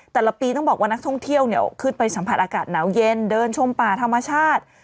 แต่ละปีต้องบอกว่านักท่องเที่ยวเนี่ยขึ้นไปสัมผัสอากาศหนาวเย็นเดินชมป่าธรรมชาติ